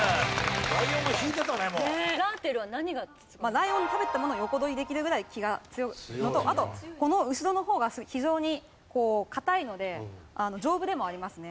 ライオンの食べてたものを横取りできるぐらい気が強いのとあとこの後ろの方が非常にこう硬いので丈夫でもありますね。